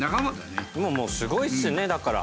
もうすごいっすねだから。